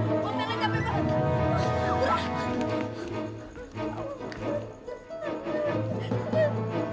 salah aja salah aja kejar cepat